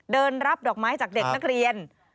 เดินรับดอกไม้จากเด็กนักเรียน